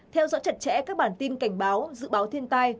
theo dõi chặt chẽ các bản tin cảnh báo dự báo thiên tai